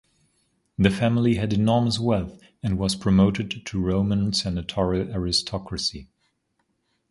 The family had enormous wealth and was promoted to Roman senatorial aristocracy.